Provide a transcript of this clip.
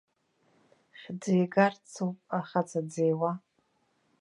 Хьӡы игарцоуп ахаҵа дзиуа.